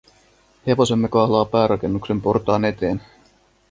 Hevosemme kahlaa päärakennuksen portaan eteen.